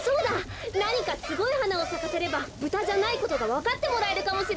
なにかすごいはなをさかせればブタじゃないことがわかってもらえるかもしれません。